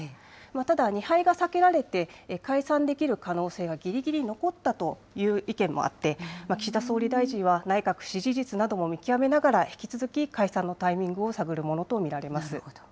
ただ、２敗が避けられて、解散できる可能性はぎりぎり残ったという意見もあって、岸田総理大臣は内閣支持率なども見極めながら、引き続き解散のタイミングを探るものと見られます。